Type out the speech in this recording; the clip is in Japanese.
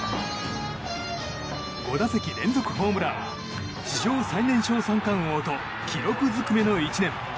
５打席連続ホームラン史上最年少三冠王と記録ずくめの１年。